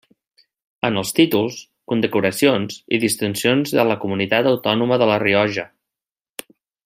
En els títols, condecoracions i distincions de la Comunitat Autònoma de la Rioja.